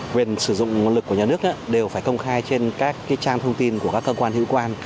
quyền sử dụng nguồn lực của nhà nước đều phải công khai trên các trang thông tin của các cơ quan hữu quan